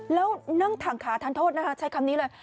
แล้วนั่งถังขาทานโทษนะคะใช้คำนี้เลย